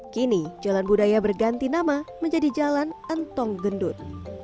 kini jalan budaya berganti nama menjadi jalan entong gendut